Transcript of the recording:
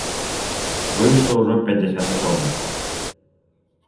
Выйшла ўсяго пяцьдзясят асобнікаў.